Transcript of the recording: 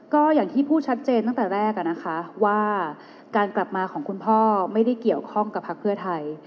ก็อย่างที่พูดชัดเจนตั้งแต่แรกนะคะว่าการกลับมาของคุณพ่อไม่ได้เกี่ยวข้องกับพักเพื่อไทย